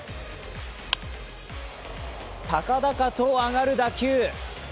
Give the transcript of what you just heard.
高々と上がる打球。